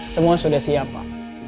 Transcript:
semua sudah siap pak